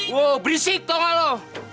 wow berisik tonga lo